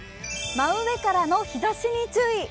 真上からの日ざしに注意。